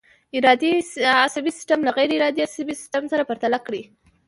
ارادي عصبي سیستم له غیر ارادي عصبي سیستم سره پرتله کړئ.